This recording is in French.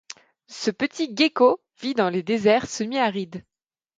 Ce petit gecko vit dans les déserts semi-arides.